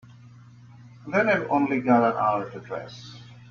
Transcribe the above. Then I've only got an hour to dress.